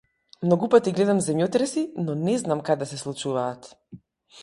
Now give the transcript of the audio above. Многу пати гледам земјотреси, но не знам каде се случуваат.